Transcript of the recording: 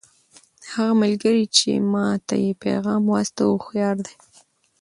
هغه ملګری چې ما ته یې پیغام واستاوه هوښیار دی.